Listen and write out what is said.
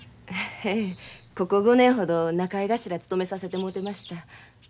ええここ５年ほど仲居頭務めさせてもうてました。